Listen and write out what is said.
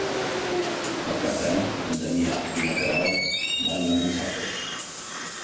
Per Cap d'Any en Damià i na Queralt van a Almussafes.